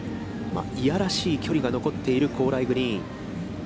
嫌らしい距離が残っている高麗グリーン。